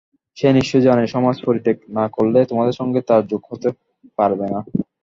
সে নিশ্চয় জানে সমাজ পরিত্যাগ না করলে তোমাদের সঙ্গে তার যোগ হতে পারবে না।